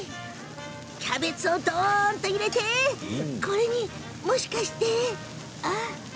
キャベツがどーんと入ってここから、もしかして。